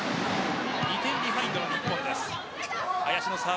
２点ビハインドの日本です。